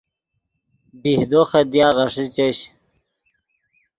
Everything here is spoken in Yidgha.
بیہدو خدیا غیݰ چش